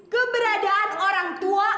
keberadaan orang tua